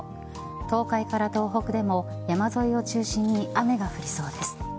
東海から東北でも山沿いを中心に雨が降りそうです。